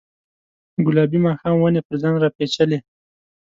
ګلابي ماښام ونې پر ځان راپیچلې